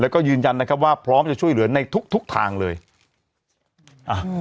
แล้วก็ยืนยันนะครับว่าพร้อมจะช่วยเหลือในทุกทุกทางเลยอ่ะอืม